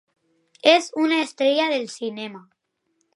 És una estrella del cinema.